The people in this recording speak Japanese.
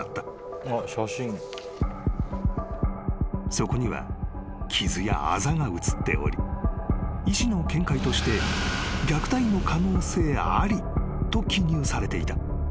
［そこには傷やあざが写っており医師の見解として虐待の可能性ありと記入されていた］